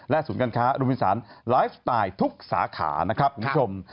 ศูนย์การค้ารุมินสันไลฟ์สไตล์ทุกสาขานะครับคุณผู้ชม